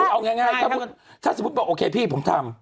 เอาง่ายถ้าสมมุติบอกโอเคพี่ผมทำ